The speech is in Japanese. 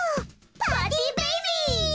パーティーベイビーズ！